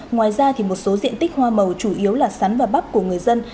ngoài ra một số diện tích hoa màu chủ yếu là sắn và bắp của người dân